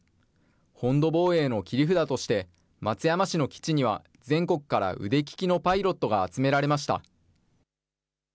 本土防衛の切り札として、松山市の基地には全国から腕利きのパイロットが集められました。